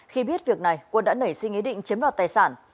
khi biết việc này quân đã nảy sinh ý định chiếm đoạt tài sản